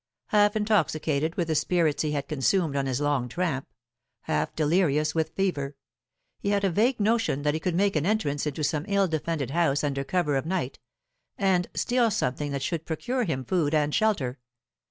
Half intoxicated with the spirits he had consumed on his long tramp, half delirious with fever, he had a vague notion that he could make an entrance into some ill defended house under cover of night, and steal something that should procure him food and shelter.